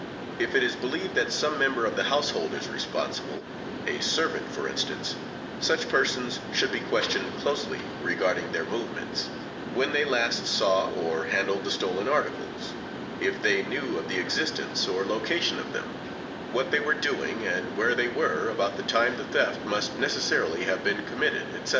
If it is believed that some member of the household is responsible, a servant for instance, such persons should be questioned closely regarding their movements, when they last saw or handled the stolen articles, if they knew of the existence or location of them, what they were doing and where they were about the time the theft must necessarily have been committed, etc.